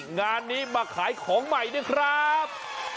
งานนี้มาขายของใหม่ด้วยครับ